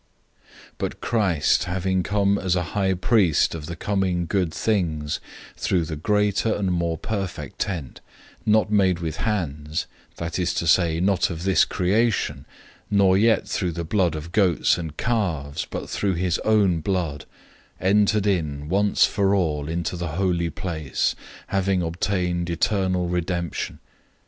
009:011 But Christ having come as a high priest of the coming good things, through the greater and more perfect tabernacle, not made with hands, that is to say, not of this creation, 009:012 nor yet through the blood of goats and calves, but through his own blood, entered in once for all into the Holy Place, having obtained eternal redemption.